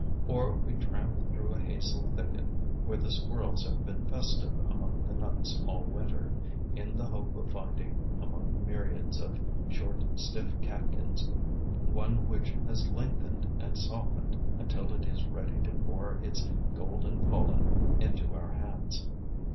Or we tramp through a hazel thicket, where the squirrels have been festive among the nuts all winter, in the hope of finding, among the myriads of short, stiff catkins, one which has lengthened and softened until it is ready to pour its golden pollen into our palms.